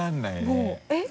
もうえっ？